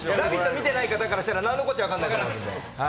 見てない方からしたら、なんのこっちゃ分からないから。